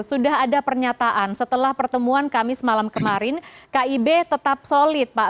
sudah ada pernyataan setelah pertemuan kami semalam kemarin kib tetap solid pak